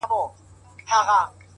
حوصله د ستونزو دروازه پرانیزي.!